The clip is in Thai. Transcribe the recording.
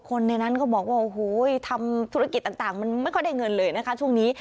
ในนั้นก็บอกว่าโอ้โหทำธุรกิจต่างมันไม่ค่อยได้เงินเลยนะคะช่วงนี้